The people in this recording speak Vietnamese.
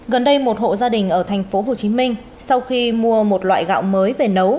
gần đây một hộ gia đình ở thành phố hồ chí minh sau khi mua một loại gạo mới về nấu